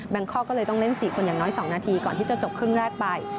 งคอกก็เลยต้องเล่น๔คนอย่างน้อย๒นาทีก่อนที่จะจบครึ่งแรกไป